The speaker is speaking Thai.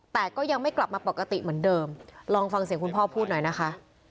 แต่ก็ยังไม่กลับมาปกติเหมือนเดิมลองฟังเสียงคุณพ่อพูดหน่อยนะคะ